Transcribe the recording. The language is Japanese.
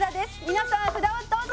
皆さん札をどうぞ！」